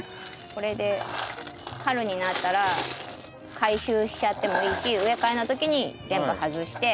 これで春になったら回収しちゃってもいいし植え替えの時に全部外して。